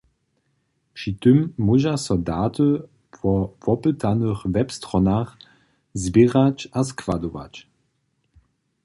Při tym móža so daty wo wopytanych web-stronach zběrać a składować.